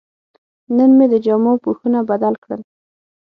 نن مې د جامو پوښونه بدل کړل.